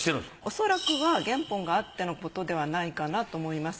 恐らくは原本があってのことではないかなと思います。